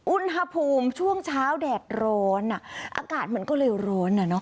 อุ่นหภูมิช่วงเช้าแดดร้อนอากาศมันก็เลยร้อน